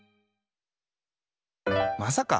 まさか！